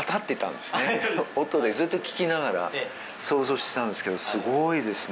音でずっと聴きながら想像してたんですけど、すごいですね。